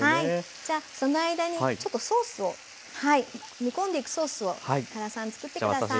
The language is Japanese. じゃその間にちょっとソースを煮込んでいくソースを原さん作って下さい。